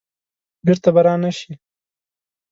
بیرته به را نه شي.